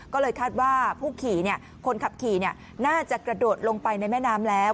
ก็เลยคาดว่าผู้ขี่คนขับขี่น่าจะกระโดดลงไปในแม่น้ำแล้ว